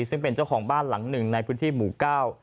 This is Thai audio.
ซึ่งเป็นเจ้าของบ้านหลังหนึ่งในพื้นที่หมู่เก้า